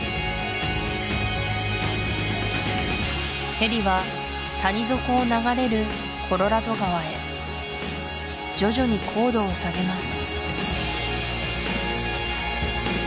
ヘリは谷底を流れるコロラド川へ徐々に高度を下げます